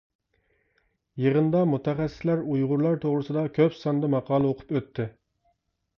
يىغىندا مۇتەخەسسىسلەر ئۇيغۇرلار توغرىسىدا كۆپ ساندا ماقالە ئوقۇپ ئۆتتى.